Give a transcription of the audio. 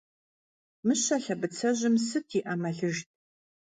Мыщэ лъэбыцэжьым сыт и Ӏэмалыжт?